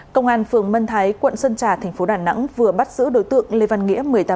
công an phường mân thái quận sân trà tp đà nẵng vừa bắt giữ đối tượng lê văn nghĩa